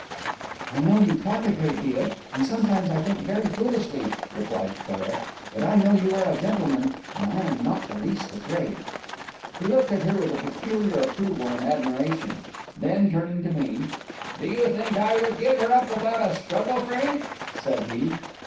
"I know you talk a great deal, and sometimes, I think, very foolishly," replied Clara, "but I know you are a gentleman, and I am not the least afraid." He looked at her with a peculiar approval and admiration; then, turning to me, "Do you think I would give her up without a struggle, Frank?" said he.